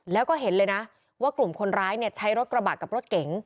แล้วก็เห็นเลยนะว่ากลุ่มคนร้ายใช้รถกระบะกับรถเก๋ง